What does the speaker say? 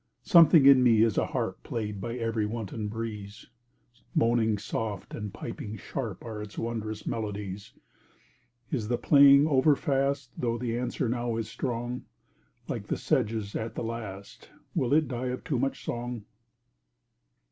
Something in me is a harp Played by every wanton breeze. Moaning soft and piping sharp Are its wondrous melodies. Is the playing over fast Though the answer now is strong? Like the sedges at the last Will it die of too much song?